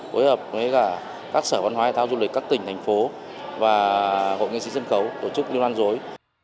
hối hợp với các sở văn hóa hệ thao du lịch các tỉnh thành phố và hội nghệ sĩ sân khấu tổ chức liên hoa mô dối